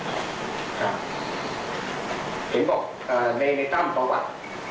ครับเห็นบอกอ่าในในต้ำประวัติ